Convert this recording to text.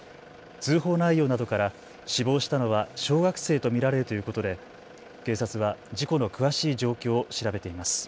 通報内容などから死亡したのは小学生と見られるということで警察は事故の詳しい状況を調べています。